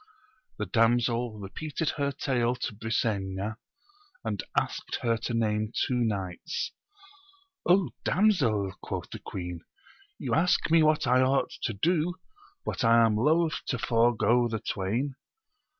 The damsel repeated her tale to Brisena, and asked her to name two knights. damsel? quoth the Queen, you ask me what I ought to do, but I am loth to forego the twain.